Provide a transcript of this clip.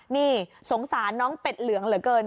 นี่สงสารน้องเป็ดเหลืองเหลือเกิน